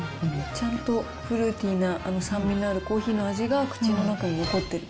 ちゃんとフルーティーな、酸味のあるコーヒーの味が口の中に残ってる。